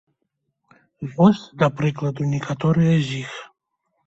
Вось, да прыкладу, некаторыя з іх.